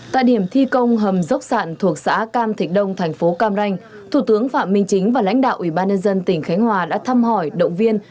tại điểm thi công hầm dốc sạn thuộc xã cam thịnh đông thành phố cam ranh thủ tướng phạm minh chính và lãnh đạo ủy ban nhân dân tỉnh khánh hòa đã thăm hỏi động viên